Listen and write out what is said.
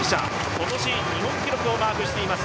今年日本記録をマークしています。